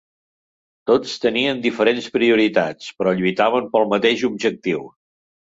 Tots tenien diferents prioritats però lluitaven pel mateix objectiu.